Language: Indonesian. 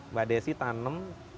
mbak desi tanem